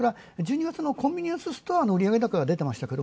１２月のコンビニエンスストアの売り上げが出ています。